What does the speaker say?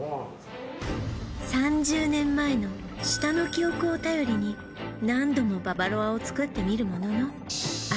３０年前の舌の記憶を頼りに何度もババロアを作ってみるものの味